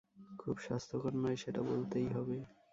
খুব স্বাস্থ্যকর নয়, সেটা বলতেই হবে।